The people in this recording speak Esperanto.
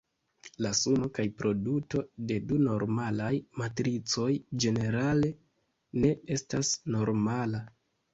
La sumo kaj produto de du normalaj matricoj ĝenerale ne estas normala.